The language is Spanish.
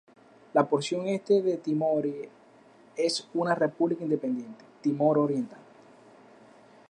La porción este de Timor es una república independiente, Timor Oriental.